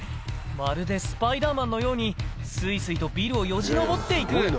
まるでスパイダーマンのように、すいすいとビルをよじ登っていく。